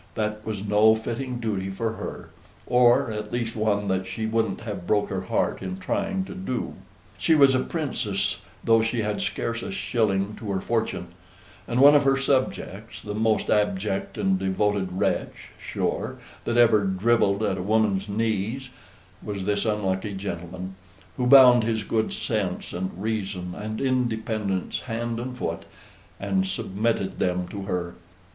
that was no fitting duty for her, or at least one that she wouldn't have broke her heart in trying to do. She was a princess, though she had scarce a shilling to her fortune; and one of her subjects the most abject and devoted wretch, sure, that ever drivelled at a woman's knees was this unlucky gentleman; who bound his good sense, and reason, and independence, hand and foot, and submitted them to her.